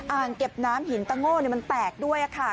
อ่างเก็บน้ำหินตะโง่มันแตกด้วยค่ะ